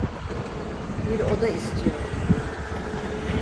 Bir oda istiyorum.